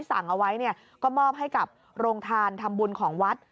สั่งเอาไว้เนี่ยก็มอบให้กับโรงทานทำบุญของวัด